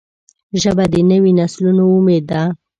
ژبه د نوي نسلونو امید ده